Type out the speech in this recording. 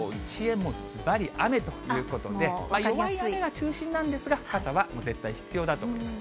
もうずばり雨ということで、弱い雨が中心なんですが、傘は絶対必要だと思います。